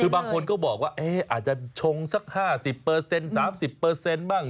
คือบางคนก็บอกว่าอาจจะชงสัก๕๐๓๐บ้าง